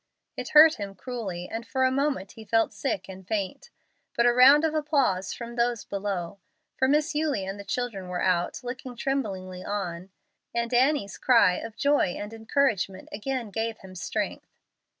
It hurt him cruelly, and for a moment he felt sick and faint; but a round of applause from those below (for now Miss Eulie and the children were out, looking tremblingly on), and Annie's cry of joy and encouragement, again gave him strength.